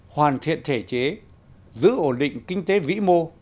hoàn thiện thể chế giữ ổn định kinh tế vĩ mô